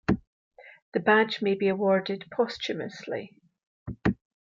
The badge may be awarded posthumously.